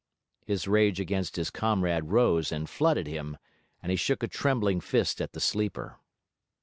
His rage against his comrade rose and flooded him, and he shook a trembling fist at the sleeper.